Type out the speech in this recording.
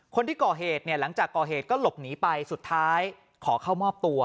คนที่ก่อเหตุเนี่ยหลังจากก่อเหตุก็หลบหนีไปสุดท้ายขอเข้ามอบตัว